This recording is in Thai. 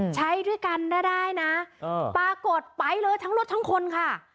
ใช้ด้วยกันก็ได้นะปรากฏไปเลยทั้งรถทั้งคนค่ะ